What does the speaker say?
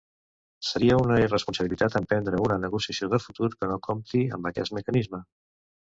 Seria una irresponsabilitat emprendre una negociació de futur que no compti amb aquest mecanisme